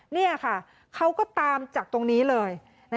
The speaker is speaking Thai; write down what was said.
นี่ค่ะเขาก็ตามจากตรงนี้เลย